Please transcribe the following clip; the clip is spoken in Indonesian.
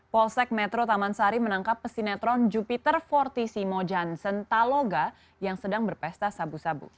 polsek metro taman sari menangkap pesinetron jupiter fortisimo johnson taloga yang sedang berpesta sabu sabu